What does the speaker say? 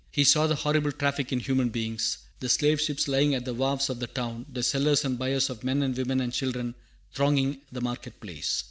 He saw the horrible traffic in human beings, the slave ships lying at the wharves of the town, the sellers and buyers of men and women and children thronging the market place.